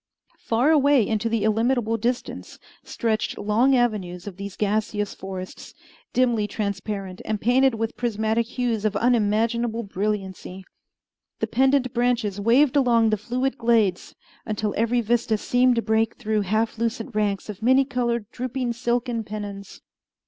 Far away into the illimitable distance stretched long avenues of these gaseous forests, dimly transparent, and painted with prismatic hues of unimaginable brilliancy. The pendent branches waved along the fluid glades until every vista seemed to break through half lucent ranks of many colored drooping silken pennons.